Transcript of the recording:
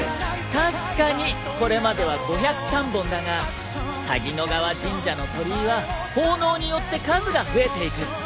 確かにこれまでは５０３本だが鷺ノ川神社の鳥居は奉納によって数が増えていく。